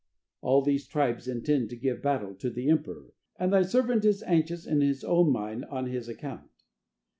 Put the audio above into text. "All these tribes intend to give battle to the emperor, and thy servant is anxious in his own mind on his account.